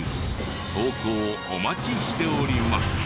投稿お待ちしております。